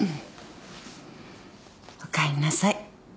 おかえりなさい。